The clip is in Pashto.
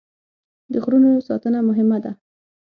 د غرونو ساتنه مهمه ده.